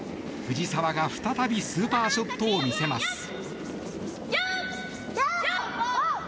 藤澤が再びスーパーショットを見せます。